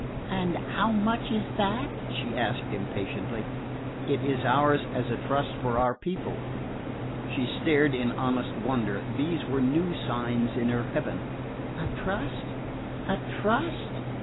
"And how much is that?" she asked impatiently. "It is ours as a trust for our people." She stared in honest wonder. These were new signs in her heaven. "A trust? A trust?